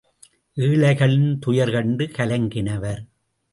ஏழைகளின் துயர் கண்டு கலங்கினவர்.